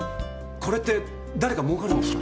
これって誰かもうかるんですか？